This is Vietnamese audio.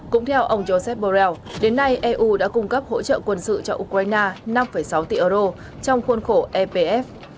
cũng theo ông joseph borrell đến nay eu đã cung cấp hỗ trợ quân sự cho ukraine năm sáu tỷ euro trong khuôn khổ epf